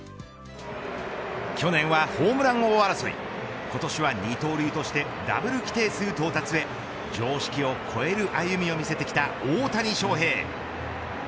去年はホームラン王争い今年は二刀流としてダブル規定数到達へ常識を超える歩みを見せてきた大谷翔平。